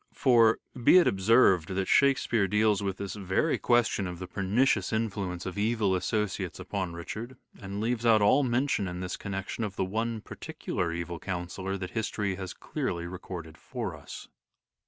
For be it observed that Shakespeare deals with this very question of the per 222 " SHAKESPEARE " IDENTIFIED nicious influence of evil associates upon Richard and leaves out all mention in this connection of the one particular evil counsellor that history has clearly recorded for us.